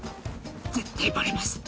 絶対バレますって。